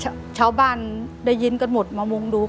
อเรนนี่นี่คือเหตุการณ์เริ่มต้นหลอนช่วงแรกแล้วมีอะไรอีก